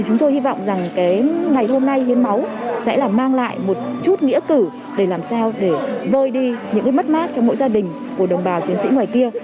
chúng tôi hy vọng rằng ngày hôm nay hiến máu sẽ là mang lại một chút nghĩa cử để làm sao để vơi đi những mất mát cho mỗi gia đình của đồng bào chiến sĩ ngoài kia